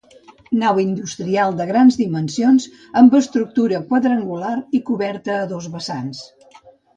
Nau industrial de grans dimensions amb estructura quadrangular i coberta a dos vessants.